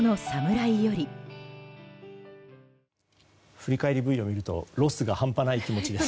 振り返りＶＴＲを見るとロスが半端ない気持ちです。